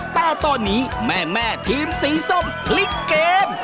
แต่ตอนนี้แม่ทีมสีส้มพลิกเกม